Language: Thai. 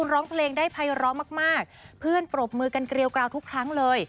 เรียวกราวทุกครั้งเลย